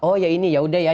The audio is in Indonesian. oh ya ini yaudah ya